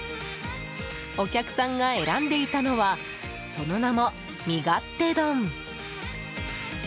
お客さんが選んでいたのはその名も味勝手丼。